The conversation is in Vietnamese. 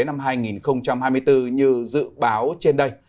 năm hai nghìn hai mươi bốn như dự báo trên đây